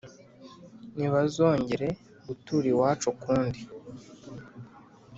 «Ntibazongere gutura iwacu ukundi!»